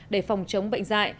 để phòng chống bệnh dại